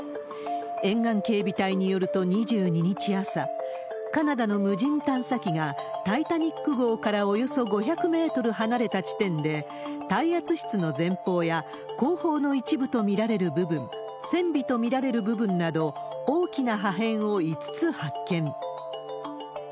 沿岸警備隊によると、２２日朝、カナダの無人探査機がタイタニック号からおよそ５００メートル離れた地点で、耐圧室の前方や後方の一部と見られる部分、船尾と見られる部分など、大きな破片を５つ発見。